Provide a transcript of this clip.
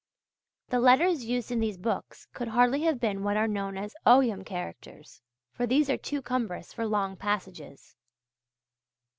The letters used in these books could hardly have been what are known as Ogham characters, for these are too cumbrous for long passages.